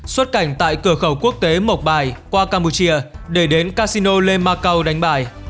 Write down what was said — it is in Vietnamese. xuất cảnh tại cửa khẩu quốc tế mộc bài qua campuchia để đến casino lê macau đánh bài